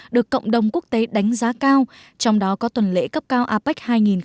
được cộng đồng quốc tế đánh giá cao trong đó có tuần lễ cấp cao apec hai nghìn hai mươi